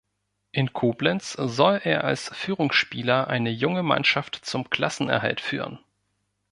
In Koblenz soll er als Führungsspieler eine junge Mannschaft zum Klassenerhalt führen.